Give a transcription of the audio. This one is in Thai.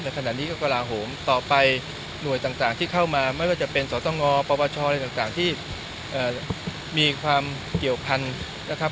ขณะนี้ก็กระลาโหมต่อไปหน่วยต่างที่เข้ามาไม่ว่าจะเป็นสตงปปชอะไรต่างที่มีความเกี่ยวพันธุ์นะครับ